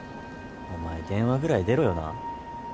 お前電話ぐらい出ろよな。